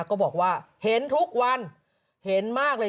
ก็บอกว่าเห็นทุกวันเห็นมากเลย